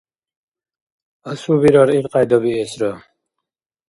Асубирар илкьяйда биэсра.